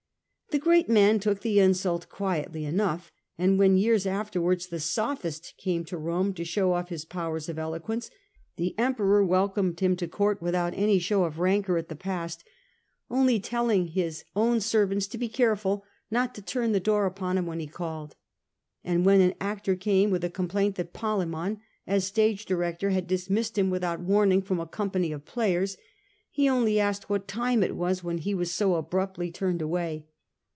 The great man took the insult quietly enough, and when years afterwards the sophist came to Rome to show off his powers of eloquence, the Emperor welcomed him to court without any show of rancour at the past, only telling his 138 161. Antoninus "Pius, 79 own servants to be careful not to turn the door upon him when he called. And when an actor came with a com plaint that Polemon, as stage director, had dismissed him without warning from a company of players, he only asked what time it was when he was so abruptly turned away.